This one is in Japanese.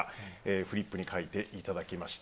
フリップに書いていただきました。